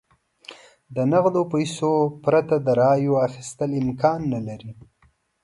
د نغدو پیسو پرته د رایو اخیستل امکان نه لري.